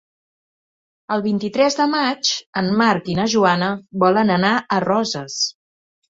El vint-i-tres de maig en Marc i na Joana volen anar a Roses.